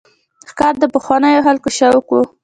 ښکار د پخوانیو خلکو شوق و.